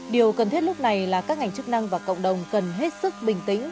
điều cần thiết lúc này là các ngành chức năng và cộng đồng cần hết sức bình tĩnh